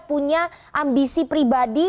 punya ambisi pribadi